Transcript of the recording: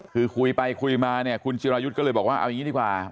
คือคุยไปคุยมาเนี่ยคุณจิรายุทธ์ก็เลยบอกว่าเอาอย่างนี้ดีกว่า